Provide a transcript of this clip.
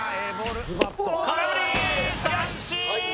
空振りー三振ー！